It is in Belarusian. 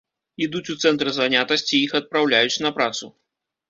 Ідуць у цэнтр занятасці, іх адпраўляюць на працу.